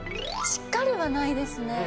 しっかりはないですね。